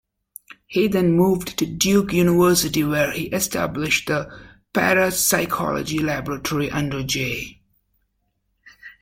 He then moved to Duke University, where he established the Parapsychology Laboratory under J.